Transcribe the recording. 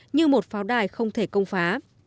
như một pháo đài không thể công phá